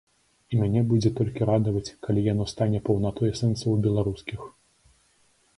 І мяне будзе толькі радаваць, калі яно стане паўнатой сэнсаў беларускіх.